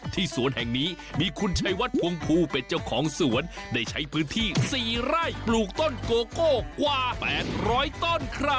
สวนแห่งนี้มีคุณชัยวัดพวงภูเป็นเจ้าของสวนได้ใช้พื้นที่๔ไร่ปลูกต้นโกโก้กว่า๘๐๐ต้นครับ